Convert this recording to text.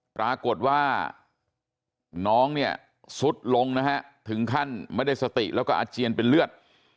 ปรากฏว่าน้องเนี่ยสุดลงนะฮะถึงขั้นไม่ได้สติแล้วก็อาเจียนเป็นเลือด